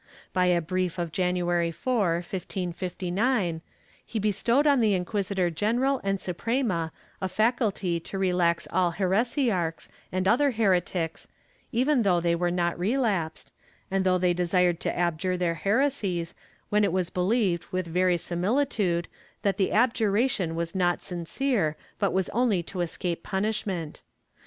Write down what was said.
By a brief of January 4, 1559, he bestowed on the inquisitor general and Suprema a faculty to relax all heresiarchs and other heretics, even though they were not relapsed, and though they desired to abjure their heresies, when it was believed with verisimilitude that the abjuration was not sincere but was only to escape punishment.